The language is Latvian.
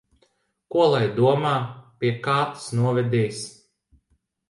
Ko lai domā? Pie kā tas novedīs?